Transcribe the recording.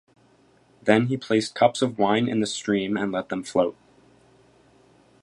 Then he placed cups of wine in the stream, and let them float.